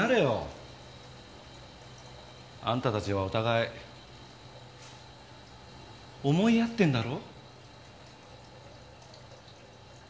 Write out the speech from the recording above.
あんたたちはお互い思い合ってんだろ？